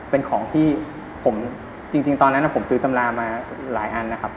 เป็นของที่ผมจริงตอนนั้นผมซื้อตำรามาหลายอันนะครับ